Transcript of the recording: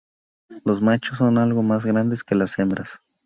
Los machos son algo más grandes que las hembras.